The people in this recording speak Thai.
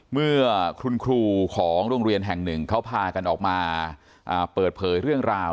เมื่อคุณครูของโรงเรียนแห่งหนึ่งเขาพากันออกมาเปิดเผยเรื่องราว